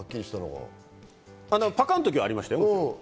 パカの時はありましたよ。